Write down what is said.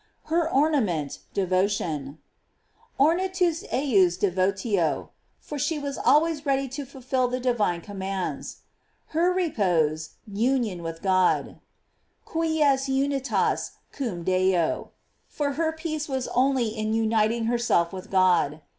Her orna ment, devotion: "Ornatus ejus devotio," for she was always ready to fulfil the divine commands. Her repose, union with God: "Quies unitas cum Deo," for her peace was only in uniting herself with God.